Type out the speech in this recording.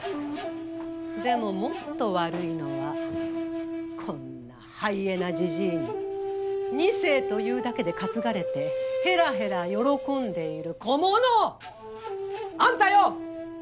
でももっと悪いのはこんなハイエナジジイに２世というだけで担がれてヘラヘラ喜んでいるこもの！あんたよ！